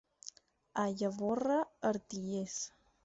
A Llavorre, artillers.